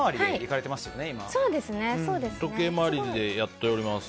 先生時計回りでやっております。